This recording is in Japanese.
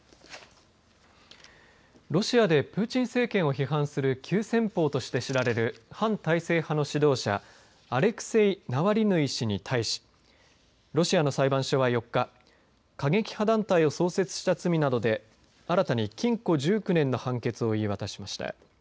ロシアでプーチン政権を批判するきゅうせんぽうとして知られる反体制派の指導者アレクセイ・ナワリヌイ氏に対しロシアの裁判所は４日過激派団体を創設した罪などで新たに禁錮１９年の判決を言い渡しました。